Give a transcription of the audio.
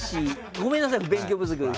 ごめんなさい、勉強不足で。